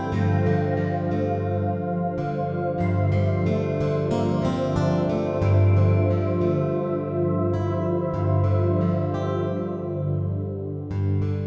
โปรดติดตามตอนต่อไป